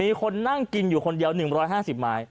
มีคนนั่งกินอยู่คนเดียว๑๕๐ไม้